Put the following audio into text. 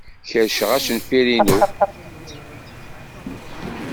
Kerrceɣ acenfir-inu.